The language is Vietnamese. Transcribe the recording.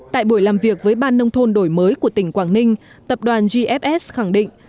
tại buổi làm việc với ban nông thôn đổi mới của tỉnh quảng ninh tập đoàn gfs khẳng định